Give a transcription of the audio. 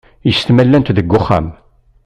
Yessetma llant deg wexxam.